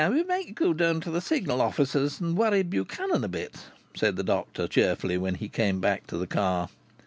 "We might go down to the Signal offices and worry Buchanan a bit," said the doctor, cheerfully, when he came back to the car.